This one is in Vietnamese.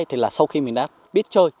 thì là sau khi mình đã biết chơi